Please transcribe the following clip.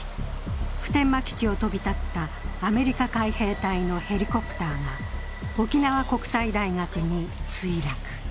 普天間基地を飛び立ったアメリカ海兵隊のヘリコプターが沖縄国際大学に墜落。